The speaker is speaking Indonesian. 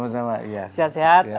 terima kasih sama sama